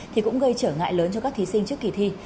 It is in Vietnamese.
thì cũng gây trở ngại lớn cho các thí sinh trước kỳ thi